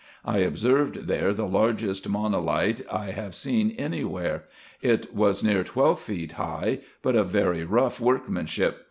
I observed there the largest monolite I have seen any where. It was near twelve feet high, but of very rough workmanship.